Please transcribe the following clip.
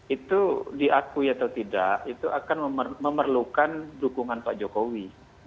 itu diakui atau tidak itu akan memerlukan dukungan pak jokowi